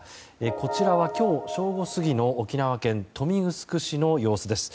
こちらは今日、正午過ぎの沖縄県豊見城市の様子です。